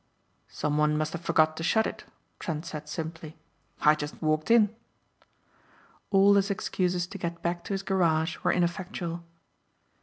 "Someone must have forgot to shut it," Trent said simply. "I just walked in." All his excuses to get back to his garage were ineffectual.